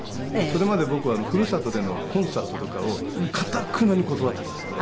それまで僕はふるさとでのコンサートとかをかたくなに断っていたんです。